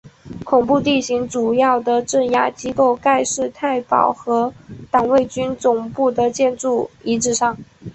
恐怖地形图主要的镇压机构盖世太保和党卫军总部的建筑遗址上。